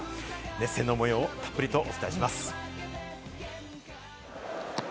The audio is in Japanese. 熱戦の模様をたっぷりとお伝えします。